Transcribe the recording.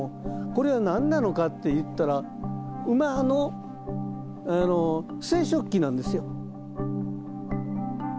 これは何なのかっていったら馬の生殖器なんですよ。